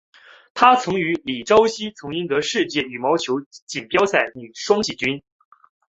她与李绍希曾赢得世界羽毛球锦标赛女双季军。